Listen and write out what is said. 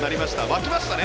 沸きましたね。